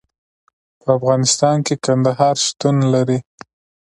په افغانستان کې کندهار شتون لري.